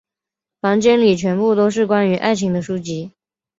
房间里全部都是关于爱情的书籍。